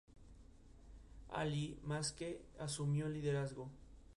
Allí, Masque asumió el liderazgo.